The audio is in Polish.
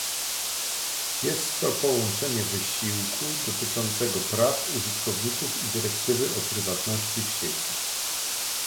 Jest to połączenie wysiłku dotyczącego praw użytkowników i dyrektywy o prywatności w sieci